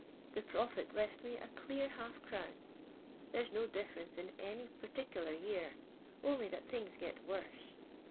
The profit left me a clear half crown. Thera's no difTorence in any per ticler year — only that things gets worse.